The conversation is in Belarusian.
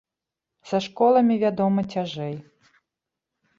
Са школамі, вядома, цяжэй.